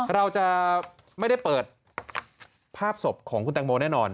เราจะไม่ได้เปิดภาพศพของคุณแตงโมแน่นอน